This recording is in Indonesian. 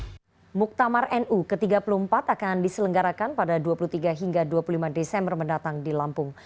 muktamar nu ke tiga puluh empat akan diselenggarakan pada dua puluh tiga hingga dua puluh lima desember mendatang di lampung